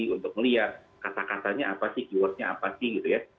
untuk melihat kata katanya apa sih keywordnya apa sih gitu ya